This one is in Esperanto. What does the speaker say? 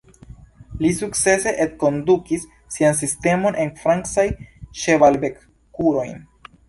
Li sukcese enkondukis sian sistemon en francajn ĉeval-vetkurojn.